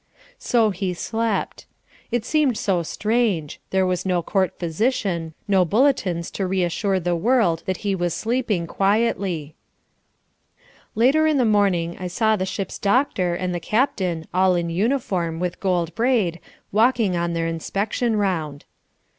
So he slept. It seemed so strange. There was no court physician, no bulletins to reassure the world that he was sleeping quietly. Later in the morning I saw the ship's doctor and the captain, all in uniform, with gold braid, walking on their inspection round.